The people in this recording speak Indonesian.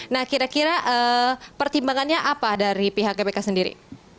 nah kira kira pertimbangannya apa dari pihak gpk sendiri